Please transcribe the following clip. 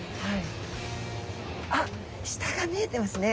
あっ下が見えてますね。